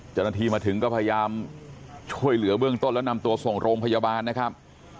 เจ้าหน้าที่มาถึงก็พยายามช่วยเหลือเบื้องต้นแล้วนำตัวส่งโรงพยาบาลนะครับ